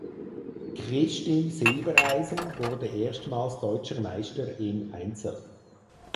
Kristin Silbereisen wurde erstmals Deutscher Meister im Einzel.